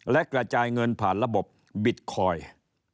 และกระจายเงินผ่านระบบบิตคอยน์